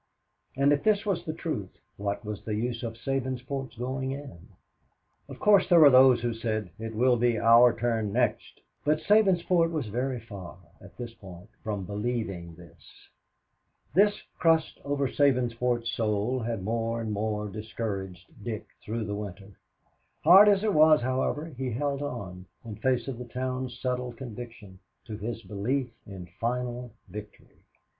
And if this was the truth, what was the use of Sabinsport's going in? Of course there were those who said, "It will be our turn next." But Sabinsport was very far, at this point, from believing this. This crust over Sabinsport's soul had more and more discouraged Dick through the winter. Hard as it was, however, he held on, in face of the town's settled conviction, to his belief in final victory.